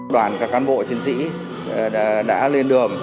đoàn các cán bộ chiến sĩ đã lên đường